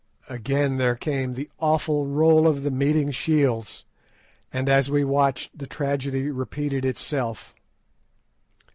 Again there came the awful roll of the meeting shields, and as we watched the tragedy repeated itself.